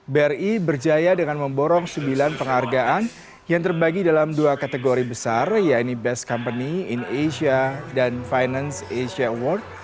bri berjaya dengan memborong sembilan penghargaan yang terbagi dalam dua kategori besar yaitu best company in asia dan finance asia award